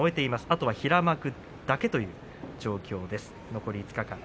あとは平幕だけという状況です残り５日間。